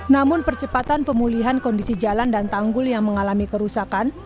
namun percepatan pemulihan kondisi jalan dan tanggul yang mengalami kerusakan